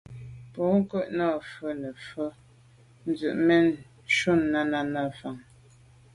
Bwɔ́ŋkə̂’ nɑ̂’ vwá’ nə̀ vwá’ vwɑ́’ dzwə́ zə̄ mɛ̂n shûn Náná ná’ fáŋə́.